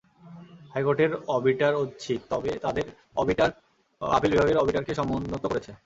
হাইকোর্টের অবিটার ঐচ্ছিক, তবে তাঁদের অবিটার আপিল বিভাগের অবিটারকে সমুন্নত করেছে।